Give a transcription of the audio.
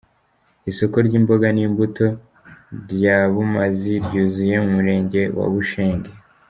Isoko ry’imboga n’imbuto rya Bumazi ryuzuye mu murenge wa Bushenge.